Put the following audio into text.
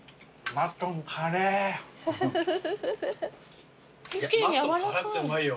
マトン辛くてうまいよ。